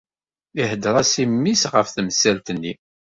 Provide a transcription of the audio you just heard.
Ihder-as i mmi-s ɣef temsalt-nni.